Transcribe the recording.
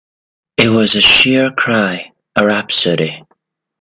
It was a sheer cry, a rhapsody.